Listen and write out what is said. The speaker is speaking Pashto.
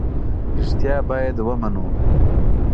رښتیا باید ومنو.